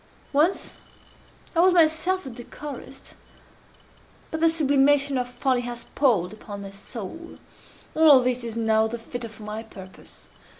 Once I was myself a decorist; but that sublimation of folly has palled upon my soul. All this is now the fitter for my purpose.